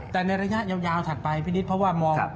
แต่ในระยะยาวถัดไปพี่นิดเพราะว่ามอง